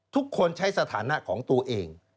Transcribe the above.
ทุกคนใช้สถานะของตัวเอง